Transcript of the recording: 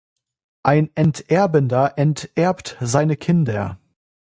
Ein Enterbender enterbt seine Kinder.